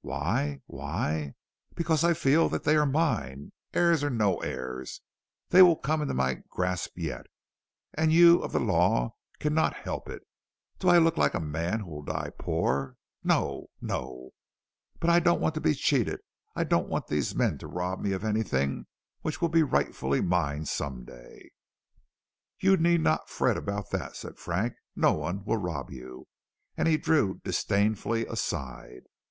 "Why? why? Because I feel that they are mine. Heirs or no heirs, they will come into my grasp yet, and you of the law cannot help it. Do I look like a man who will die poor? No, no; but I don't want to be cheated. I don't want these men to rob me of anything which will rightfully be mine some day." "You need not fret about that," said Frank. "No one will rob you," and he drew disdainfully aside.